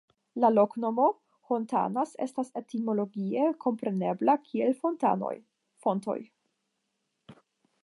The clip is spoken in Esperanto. La loknomo "Hontanas" estas etimologie komprenebla kiel "Fontanoj" (fontoj).